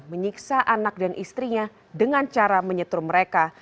menyiksa anak dan istrinya dengan cara menyetur mereka